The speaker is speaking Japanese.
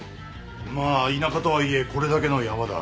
まあ田舎とはいえこれだけの山だ。